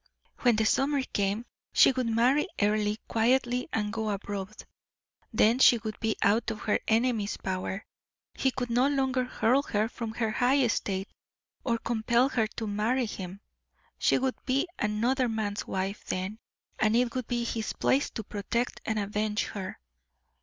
When the summer came, she would marry Earle quietly and go abroad. Then she would be out of her enemy's power; he could no longer hurl her from her high estate, or compel her to marry him. She would be another man's wife then, and it would be his place to protect and avenge her.